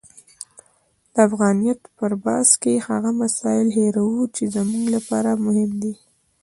د افغانیت پر بحث کې هغه مسایل هیروو چې زموږ لپاره مهم دي.